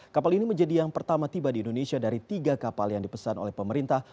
kapal ini menjadi yang pertama tiba di indonesia dari tiga kapal yang dipesan oleh pemerintah